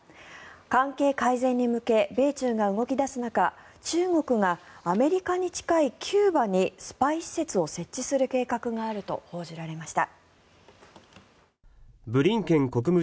関係改善に向け米中が動き出す中、中国がアメリカに近いキューバにスパイ施設を設置する計画があると報じられました。